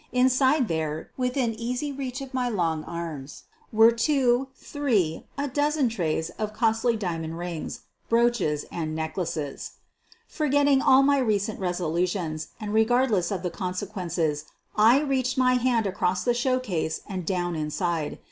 Inside there, within easy reach of my long arms, were two, three, a dozen trays of costly diamond rings, brooches, and necklaces. Forgetting all my recent resolutions and regard QUEEN OP THE BURGLARS 241 less of the consequences I reached my hand across the showcase and down inside.